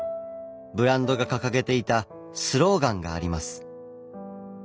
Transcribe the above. ブランドが掲げていたスローガンがあります。